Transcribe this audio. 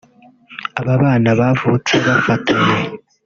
Aba bana bavutse bafatanye